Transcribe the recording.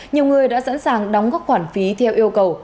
nhiều người đã sẵn sàng đóng các khoản phí theo yêu cầu